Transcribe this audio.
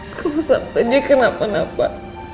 kamu sampe dia kenapa napa